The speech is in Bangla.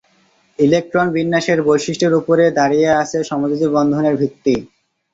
ইলেক্ট্রন বিন্যাসের বৈশিষ্ট্যের উপরে দাঁড়িয়ে আছে সমযোজী বন্ধনের ভিত্তি।